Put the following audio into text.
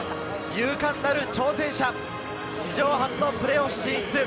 勇敢なる挑戦者、史上初のプレーオフ進出。